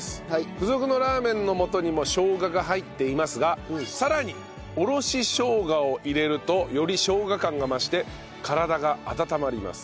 付属のラーメンの素にもしょうがが入っていますがさらにおろししょうがを入れるとよりしょうが感が増して体が温まります。